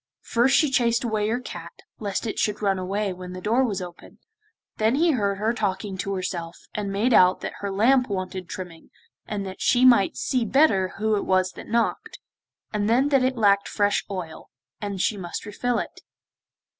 First she chased away her cat, lest it should run away when the door was opened, then he heard her talking to herself and made out that her lamp wanted trimming, that she might see better who it was that knocked, and then that it lacked fresh oil, and she must refill it.